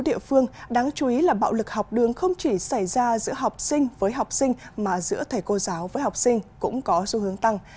địa phương đáng chú ý là bạo lực học đường không chỉ xảy ra giữa học sinh với học sinh mà giữa thầy cô giáo với học sinh cũng có xu hướng tăng